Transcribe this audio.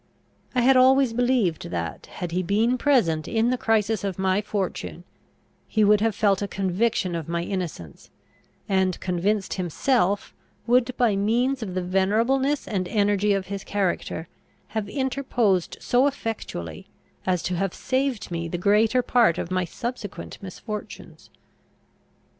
I had always believed that, had he been present in the crisis of my fortune, he would have felt a conviction of my innocence; and, convinced himself, would, by means of the venerableness and energy of his character, have interposed so effectually, as to have saved me the greater part of my subsequent misfortunes.